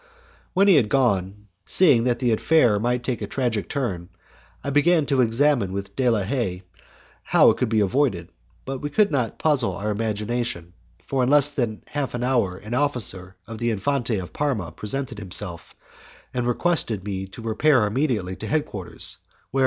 When he had gone, seeing that the affair might take a tragic turn, I began to examine with De la Haye how it could be avoided, but we had not long to puzzle our imagination, for in less than half an hour an officer of the Infante of Parma presented himself, and requested me to repair immediately to head quarters, where M.